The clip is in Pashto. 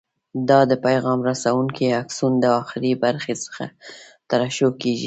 دا د پیغام رسونکي آکسون د اخري برخې څخه ترشح کېږي.